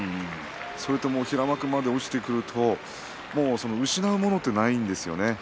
それと平幕まで落ちてくるともう失うものというのはないんですよね。